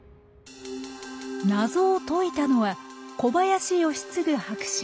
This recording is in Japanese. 謎を解いたのは小林快次博士。